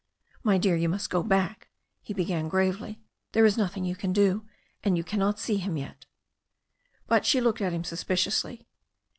"My dear, you must go back," he began gravely. "There is nothing you can do, and you cannot see him yet." But she looked at him suspiciously.